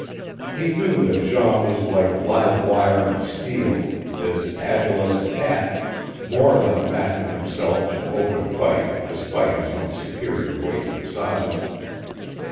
He knew that Jean was like live wire and steel, as agile as a cat, more than a match with himself in open fight despite his own superior weight and size.